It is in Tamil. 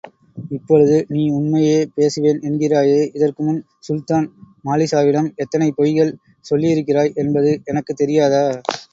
இப்பொழுது நீ உண்மையே பேசுவேன் என்கிறாயே, இதற்குமுன் சுல்தான் மாலிக்ஷாவிடம் எத்தனை பொய்கள் சொல்லியிருக்கிறாய் என்பது எனக்குத் தெரியாதா?